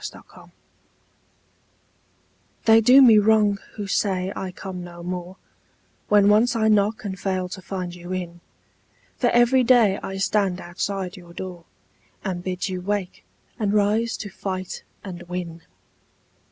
OPPORTUNITY They do me wrong who say I come no more When once I knock and fail to find you in ; For every day I stand outside your door, And bid you wake, and rise to fight and win.